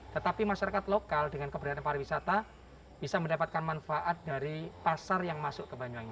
tetapi masyarakat lokal dengan keberadaan pariwisata bisa mendapatkan manfaat dari pasar yang masuk ke banyuwangi